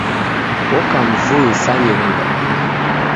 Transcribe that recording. Oka mvui sa nyondo